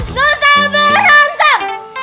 nggak usah berantem